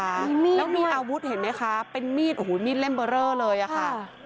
มีมีดแล้วมีอาวุธเห็นไหมคะเป็นมีดโอ้โหมีดเล่มเบอร์เรอเลยอะค่ะ